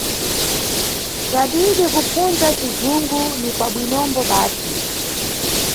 Cadidi, Kupfundza nʼcizungu ni kwabwinombo basi.